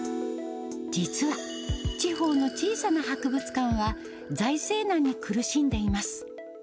実は、地方の小さな博物館は、財政難に苦しんでいます。